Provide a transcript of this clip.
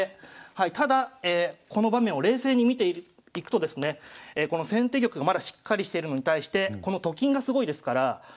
ただこの場面を冷静に見ていくとですね先手玉がまだしっかりしてるのに対してこのと金がすごいですから。